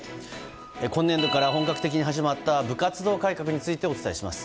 今年度から本格的に始まった部活動改革についてお伝えします。